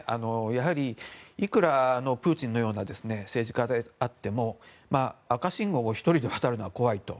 やはり、いくらプーチンのような政治家であっても赤信号を１人で渡るのは怖いと。